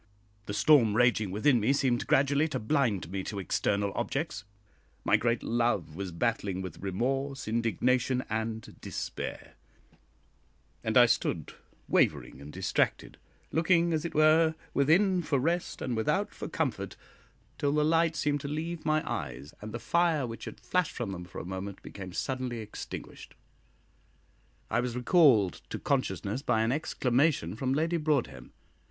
The storm raging within me seemed gradually to blind me to external objects; my great love was battling with remorse, indignation, and despair; and I stood wavering and distracted, looking, as it were, within for rest and without for comfort, till the light seemed to leave my eyes, and the fire which had flashed from them for a moment became suddenly extinguished. I was recalled to consciousness by an exclamation from Lady Broadhem.